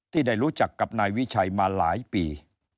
ที่ได้รู้จักกับนายวิชัยมาหลายปี